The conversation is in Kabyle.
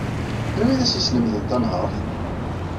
Anwa ay as-yeslemden tanhaṛt?